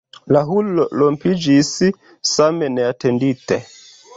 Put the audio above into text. La hurlo rompiĝis same neatendite.